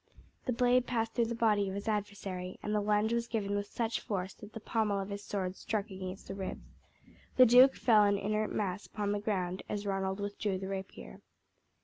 The blade passed through the body of his adversary, and the lunge was given with such force that the pommel of his sword struck against the ribs. The duke fell an inert mass upon the ground as Ronald withdrew the rapier.